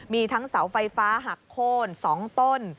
มีทั้งเสาไฟฟ้าหักโค้น๒ต้น